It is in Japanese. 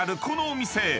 ここのお店。